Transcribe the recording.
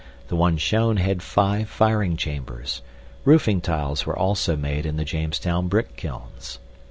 THE ONE SHOWN HAD FIVE FIRING CHAMBERS. ROOFING TILES WERE ALSO MADE IN THE JAMESTOWN BRICK KILNS.